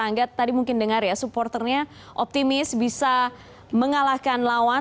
angga tadi mungkin dengar ya supporternya optimis bisa mengalahkan lawan